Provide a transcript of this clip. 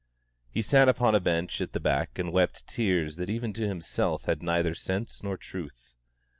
He sat upon a bench at the back and wept tears that even to himself had neither sense nor truth.